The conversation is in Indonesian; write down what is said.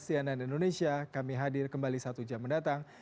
cnn indonesia kami hadir kembali satu jam mendatang